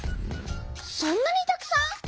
そんなにたくさん！